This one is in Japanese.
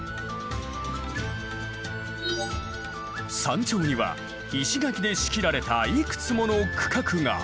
山頂には石垣で仕切られたいくつもの区画が。